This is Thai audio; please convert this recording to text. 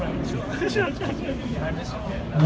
โปรดติดตามตอนต่อไป